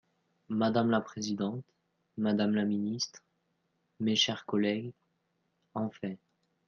Madame la présidente, madame la ministre, mes chers collègues, enfin